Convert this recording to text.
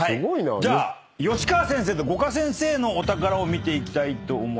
じゃあ吉川先生と五箇先生のお宝を見ていきたいと思いますよ。